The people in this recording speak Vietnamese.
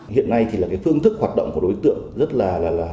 hiện nay thì là cái phương thức hoạt động của đối tượng rất là